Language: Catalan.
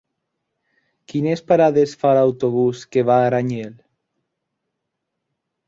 Quines parades fa l'autobús que va a Aranyel?